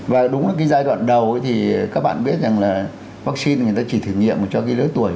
và đúng là cái giai đoạn đầu thì các bạn biết rằng là vaccine người ta chỉ thử nghiệm cho cái lứa tuổi